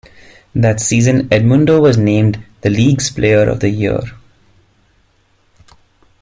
That season, Edmundo was named the league's player of the year.